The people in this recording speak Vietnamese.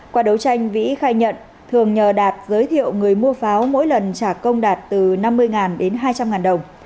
qua đấu tranh vĩ khai nhận thường nhờ đạt giới thiệu người mua pháo mỗi lần trả công đạt từ năm mươi đến hai trăm linh đồng